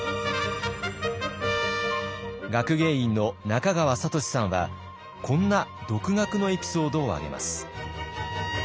学芸員の中川里志さんはこんな独学のエピソードを挙げます。